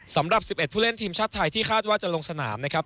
สำหรับ๑๑ผู้เล่นทีมชาติไทยที่คาดว่าจะลงสนามนะครับ